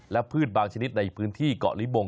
และพืชบางชนิดในพื้นที่เกาะลิบง